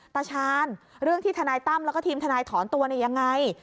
ตาชาญเรื่องที่ทนายตั้มแล้วก็ทีมทนายถอนตัวเนี่ยยังไง